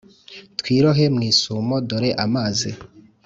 twirohe mwisumo dore amazi